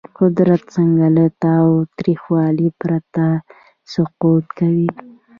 قدرت څنګه له تاوتریخوالي پرته سقوط کوي؟